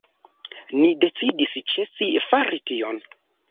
Ni decidis ĉesi fari tion.